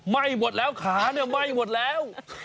ไหม้หมดแล้วขาเนี่ยไหม้หมดแล้ว